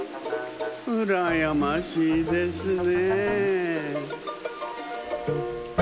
うらやましいですね。